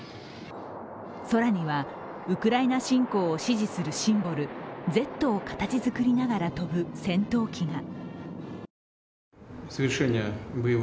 空には、ウクライナ侵攻を支持するシンボル、「Ｚ」を形作りながら飛ぶ戦闘機が。